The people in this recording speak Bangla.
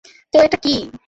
তো, ওটা কী?